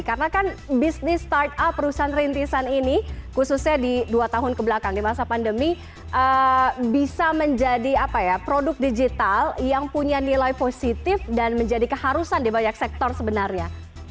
karena kan bisnis start up perusahaan rintisan ini khususnya di dua tahun kebelakang di masa pandemi bisa menjadi produk digital yang punya nilai positif dan menjadi keharusan di banyak sektor sebenarnya